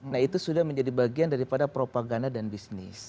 nah itu sudah menjadi bagian daripada propaganda dan bisnis